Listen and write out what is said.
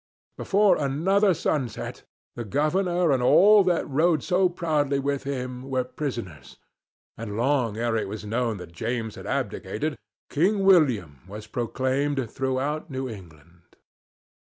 Before another sunset the governor and all that rode so proudly with him were prisoners, and long ere it was known that James had abdicated King William was proclaimed throughout New England.